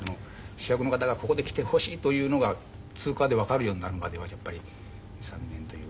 主役の方がここで来てほしいというのがつうかあでわかるようになるまではやっぱり２３年という。